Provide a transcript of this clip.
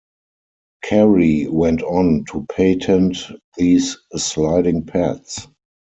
Carey went on to patent these sliding pads.